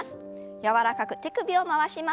柔らかく手首を回します。